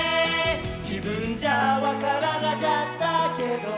「じぶんじゃわからなかったけど」